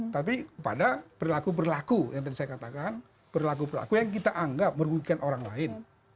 tapi pada perilaku perilaku yang tadi saya katakan perilaku perlaku yang kita anggap merugikan orang lain